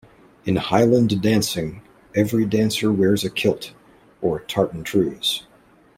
In Highland dancing, every dancer wears a kilt, or tartan trews.